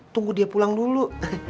tunggu dia pulang dulu